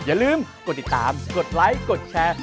อย่าลืมกดติดตามกดไลค์กดแชร์